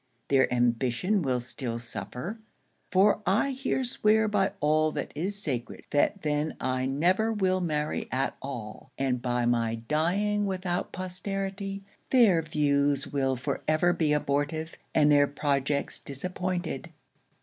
Their ambition will still suffer; for I here swear by all that is sacred, that then I never will marry at all; and by my dying without posterity, their views will for ever be abortive, and their projects disappointed.'